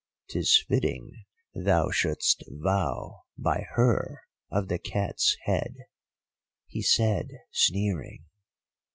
"''Tis fitting thou should'st vow by her of the Cat's Head,' he said, sneering.